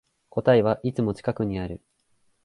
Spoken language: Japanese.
答えはいつも近くにある